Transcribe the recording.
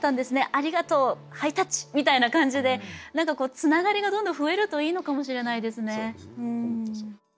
ありがとうハイタッチみたいな感じで何かつながりがどんどん増えるといいのかもしれないですね。